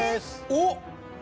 おっ！